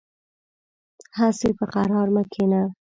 هسې په قرار مه کېنه .